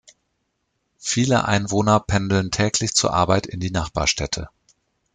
Viele Einwohner pendeln täglich zur Arbeit in die Nachbarstädte.